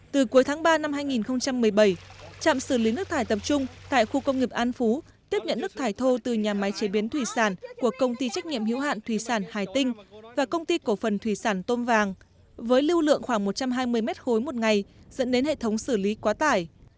từ cuối tháng ba năm hai nghìn một mươi bảy trạm xử lý nước thải tập trung tại khu công nghiệp an phú tiếp nhận nước thải thô từ nhà máy chế biến thủy sản của công ty trách nhiệm hiếu hạn thủy sản hải tinh và công ty cổ phần thủy sản tôm vàng với lưu lượng khoảng một trăm hai mươi m ba một ngày dẫn đến hệ thống xử lý quá tải